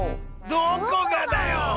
どこがだよ！